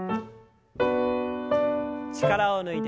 力を抜いて軽く。